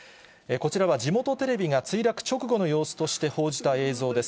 こちらは地元テレビが墜落直後の様子として報じた映像です。